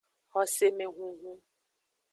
Xosemehunhun.